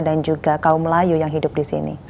dan juga kaum melayu yang hidup disini